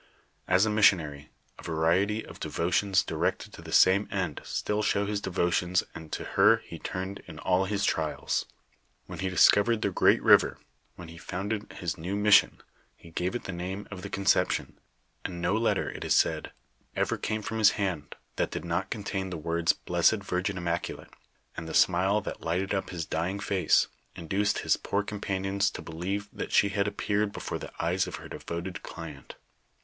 As a missionary, a variety of devotions directed to the same end still show his devotions and to her he turned in all his trials. "When he discovered the great river, when he founded his new mission, he gave it the name of the Conception, and no letter, it is said, ever came from his hand that did not contain the vords, " Blessed Virgin Immaculate," and the smile that lighted up his dying face, induced his poor companions to believe that she had appeared before the eyes of her devoted client.